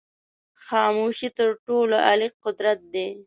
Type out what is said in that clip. خاموشی تر ټولو عالي قدرت دی.